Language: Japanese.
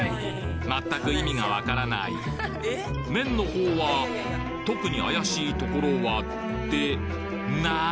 まったく意味がわからない麺の方は特に怪しいところはって何！？